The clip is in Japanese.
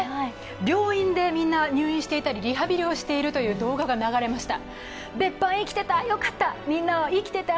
病院でみんな入院していたり、リハビリをしているという動画が流れました。